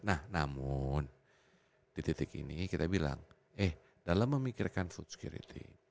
nah namun di titik ini kita bilang eh dalam memikirkan food security